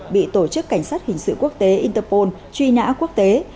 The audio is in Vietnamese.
bị tổ chức cảnh sát hình sự quốc tế interpol truy nã quốc tế